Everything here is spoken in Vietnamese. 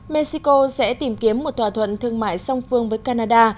mexico sẽ tìm kiếm một thỏa thuận thương mại song phương với canada